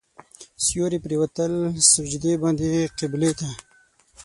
سیوري پرېوتل سجدې باندې قبلې ته.